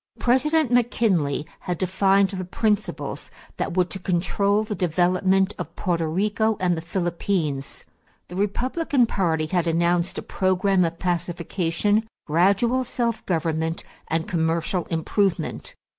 President McKinley had defined the principles that were to control the development of Porto Rico and the Philippines. The Republican party had announced a program of pacification, gradual self government, and commercial improvement.